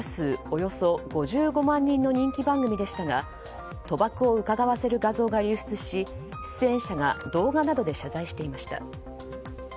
およそ５５万人の人気番組でしたが賭博をうかがわせる画像が流出し出演者が動画などで謝罪していました。